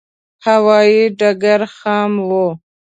هوایې ډګر خام و.